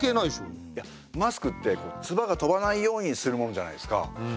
いやマスクって唾が飛ばないようにするもんじゃないですか。